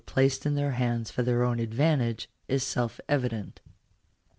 placed in their hands for their own advantage is self evident.